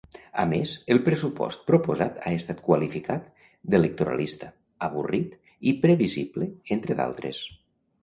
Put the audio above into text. A més, el pressupost proposat ha estat qualificat d'"electoralista", "avorrit" i "previsible", entre d'altres.